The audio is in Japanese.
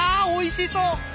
おいしそう！